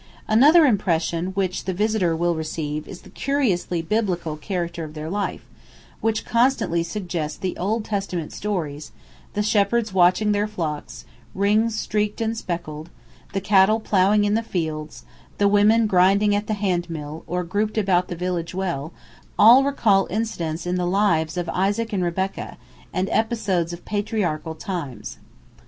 ] Another impression which the visitor will receive is the curiously Biblical character of their life, which constantly suggests the Old Testament stories; the shepherds watching their flocks, ring streaked and speckled; the cattle ploughing in the fields; the women grinding at the handmill, or grouped about the village well, all recall incidents in the lives of Isaac and Rebekah, and episodes of patriarchal times.